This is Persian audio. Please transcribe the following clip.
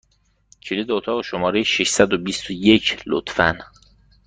کلید اتاق شماره ششصد و بیست و یک، لطفا!